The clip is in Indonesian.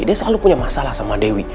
dia selalu punya masalah sama dewi